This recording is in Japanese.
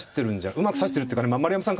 うまく指してるっていうかね丸山さん